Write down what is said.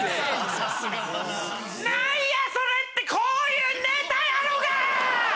・さすがだな・何やそれってこういうネタやろが！